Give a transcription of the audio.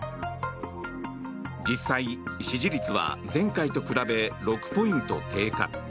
実際、支持率は前回と比べ６ポイント低下。